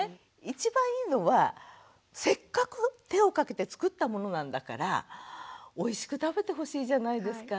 一番いいのはせっかく手をかけて作ったものなんだからおいしく食べてほしいじゃないですか。